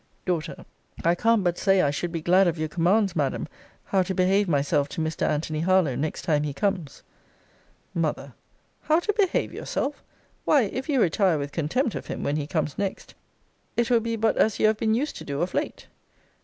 D. I can't but say, I should be glad of your commands, Madam, how to behave myself to Mr. Antony Harlowe next time he comes. M. How to behave yourself! Why, if you retire with contempt of him, when he comes next, it will be but as you have been used to do of late.